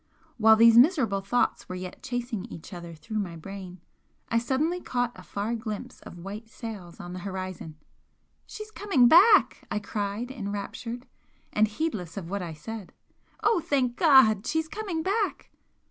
While these miserable thoughts were yet chasing each other through my brain I suddenly caught a far glimpse of white sails on the horizon. "She's coming back!" I cried, enraptured, and heedless of what I said "Oh, thank God! She's coming back!"